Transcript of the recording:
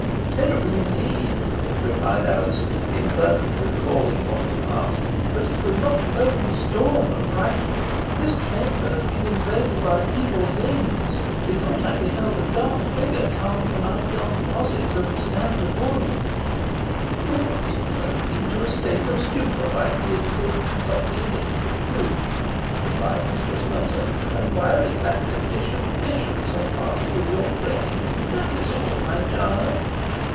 "Terrible, indeed!" replied Alizon, imperfectly recalling what had passed. "But it was not alone the storm that frightened me. This chamber has been invaded by evil beings. Methought I beheld a dark figure come from out yon closet, and stand before you." "You have been thrown into a state of stupor by the influence of the electric fluid," replied Mistress Nutter, "and while in that condition visions have passed through your brain. That is all, my child."